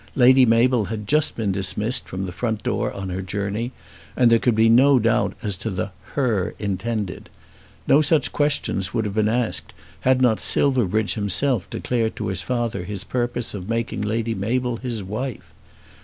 Lady Mabel had just been dismissed from the front door on her journey, and there could be no doubt as to the "her" intended. No such question would have been asked had not Silverbridge himself declared to his father his purpose of making Lady Mabel his wife.